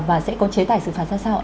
và sẽ có chế tài sự phản xác sau ạ